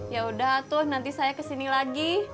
yaudah tuh nanti saya kesini lagi